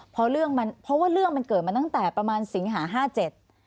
เพราะว่าเรื่องมันเกิดมาตั้งแต่ประมาณสิงหาห้าเจ็ด